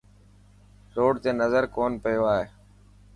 روڊ تي نظر ڪون پيو آئي.